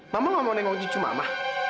mama mau nengok cucu mama